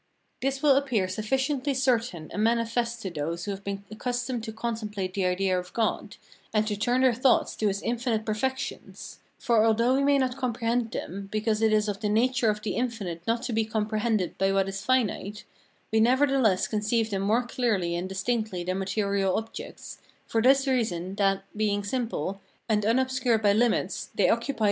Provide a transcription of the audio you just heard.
This will appear sufficiently certain and manifest to those who have been accustomed to contemplate the idea of God, and to turn their thoughts to his infinite perfections; for, although we may not comprehend them, because it is of the nature of the infinite not to be comprehended by what is finite, we nevertheless conceive them more clearly and distinctly than material objects, for this reason, that, being simple, and unobscured by limits,[Footnote: After LIMITS, "what of them we do conceive is much less confused.